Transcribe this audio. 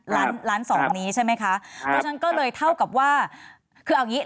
ล้านล้านสองนี้ใช่ไหมคะเพราะฉะนั้นก็เลยเท่ากับว่าคือเอางี้